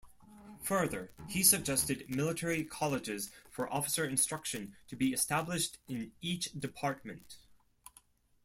Further, he suggested military colleges for officer instruction be established in each department.